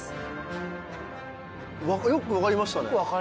よく分かりましたね。